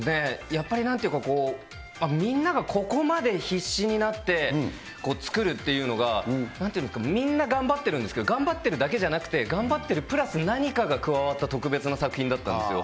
やっぱりなんていうか、みんながここまで必死になって作るっていうのが、なんていうんですか、みんな頑張ってるんですけど、頑張ってるだけじゃなくて、頑張ってるプラス何かが加わった特別な作品だったんですよ。